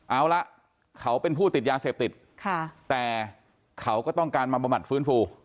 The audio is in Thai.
เอาละเขาเป็นผู้ติดยาเสพติดแต่เขาก็ต้องการมาบำบัดฟื้นฟู